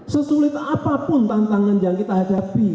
sesulit apapun tantangan yang kita hadapi